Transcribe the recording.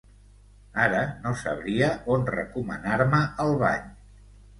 Ara no sabria on recomanar-me el bany.